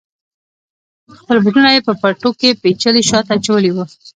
خپل بوټونه یې په پټو کې پیچلي شاته اچولي وه.